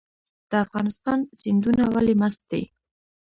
د افغانستان سیندونه ولې مست دي؟